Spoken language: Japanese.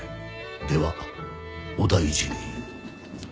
ではお大事に。